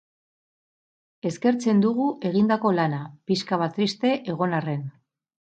Eskertzen dugu egindako lana, pixka bat triste egon arren.